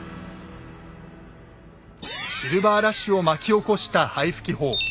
シルバーラッシュを巻き起こした灰吹法。